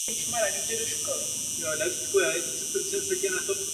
Aktivně se zapojil do politického a kulturního života v Miláně.